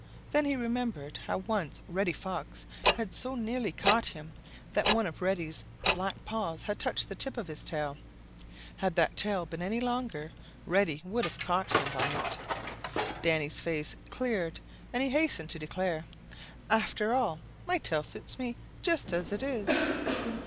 Then he remembered how once Reddy Fox had so nearly caught him that one of Reddy's black paws had touched the tip of his tail. Had that tail been any longer Reddy would have caught him by it. Danny's face cleared and he hastened to declare, "After all, my tail suits me just as it is."